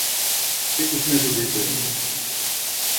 It was never rebuilt.